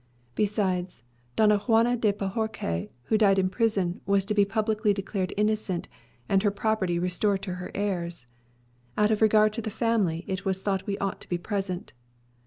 Besides, Doña Juana de Bohorques, who died in prison, was to be publicly declared innocent, and her property restored to her heirs. Out of regard to the family, it was thought we ought to be present.